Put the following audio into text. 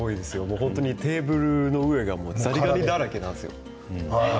テーブルの上がザリガニだらけなんですよ。